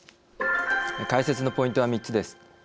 解説のポイントは３つです。